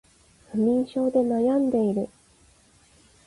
不眠症で悩んでいる